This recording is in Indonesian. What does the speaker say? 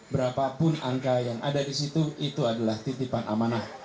berapapun angka yang ada di situ itu adalah titipan amanah